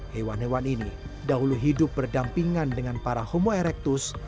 hewan hewan ini dahulu hidup berdampingan dengan para homo erectus